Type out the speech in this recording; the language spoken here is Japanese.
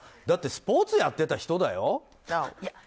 だってスポーツやってた人だよ。